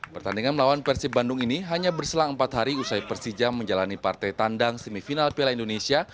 pertandingan melawan persib bandung ini hanya berselang empat hari usai persija menjalani partai tandang semifinal piala indonesia